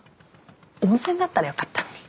温泉だったらよかったのに。